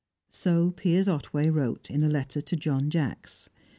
So Piers Otway wrote in a letter to John Jacks.